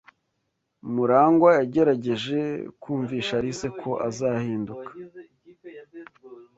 Murangwa yagerageje kumvisha Alice ko azahinduka.